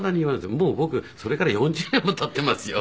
もう僕それから４０年も経っていますよ。